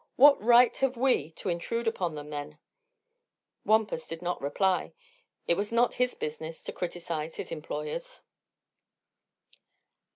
What right have we to intrude upon them, then?" Wampus did not reply. It was not his business to criticise his employers.